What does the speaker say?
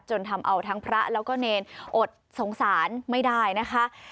ทำเอาทั้งพระแล้วก็เนรอดสงสารไม่ได้นะคะ